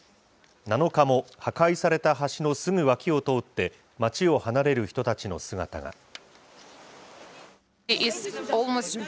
７日も破壊された橋のすぐ脇を通って、街を離れる人たちの姿が。